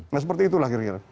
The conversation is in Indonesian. nah seperti itulah kira kira